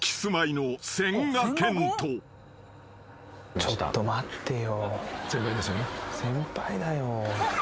ちょっと待ってよ。